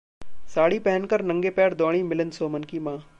साड़ी पहनकर नंगे पैर दौड़ीं मिलिंद सोमन की मां...